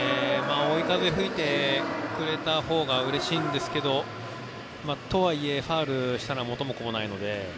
追い風が吹いてくれた方がうれしいんですがとはいえ、ファウルしたら元も子もないので。